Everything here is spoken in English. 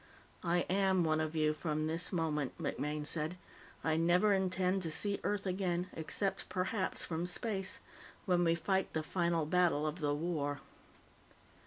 "I am one of you from this moment," MacMaine said. "I never intend to see Earth again, except, perhaps, from space when we fight the final battle of the war."